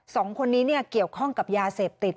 สองคนนี้เกี่ยวข้องกับยาเสพติด